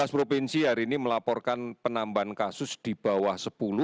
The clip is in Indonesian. tujuh belas provinsi hari ini melaporkan penambahan kasus di bawah sepuluh